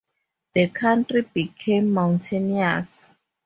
The country became mountainous.